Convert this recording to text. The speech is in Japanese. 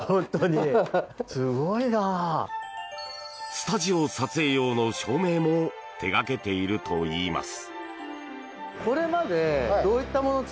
スタジオ撮影用の照明も手掛けているといいます。